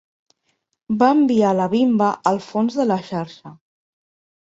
Va enviar la bimba al fons de la xarxa.